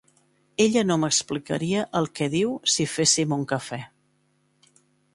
Ella no m’explicaria el que diu si féssim un cafè.